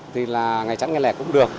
thì là ngày chắn ngày lẻ cũng được